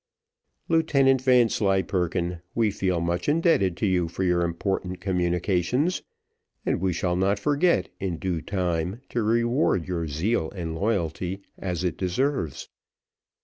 "Lieutenant Vanslyperken, we feel much indebted to you for your important communications, and we shall not forget, in due time, to reward your zeal and loyalty as it deserves.